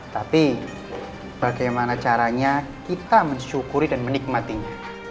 tapi bagaimana caranya kita mensyukuri dan menikmatinya